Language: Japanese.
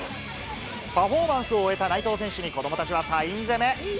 パフォーマンスを終えた内藤選手に、子どもたちはサイン攻め。